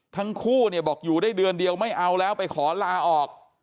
ทั้งคู่เนี่ยบอกอยู่ได้เดือนเดียวไม่เอาแล้วไปขอลาออก